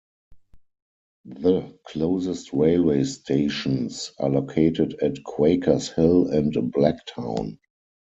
The closest railway stations are located at Quakers Hill and Blacktown.